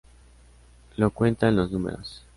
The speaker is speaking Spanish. Lo cuentan los números.